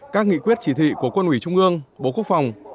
các nghị quyết chỉ thị của quân ủy trung ương bộ quốc phòng